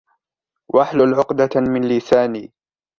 وَاحْلُلْ عُقْدَةً مِنْ لِسَانِي